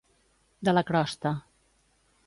De la crosta.